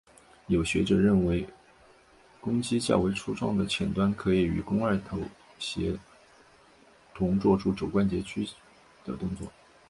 有学者认为肱肌较为粗壮的浅端可与与肱二头肌协同作出肘关节屈曲的动作。